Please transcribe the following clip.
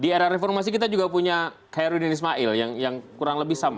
di era reformasi kita juga punya khairudin ismail yang kurang lebih sama